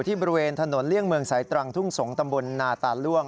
บริเวณถนนเลี่ยงเมืองสายตรังทุ่งสงศตำบลนาตาล่วง